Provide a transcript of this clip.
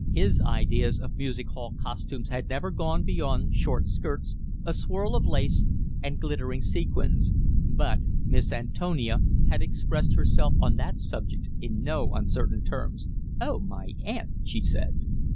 His ideas of music hall costumes had never gone beyond short skirts, a swirl of lace, and glittering sequins; but Miss Antonia had expressed herself on that subject in no uncertain terms. "Oh, my aunt!" she said.